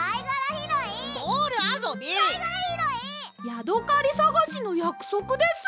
ヤドカリさがしのやくそくです！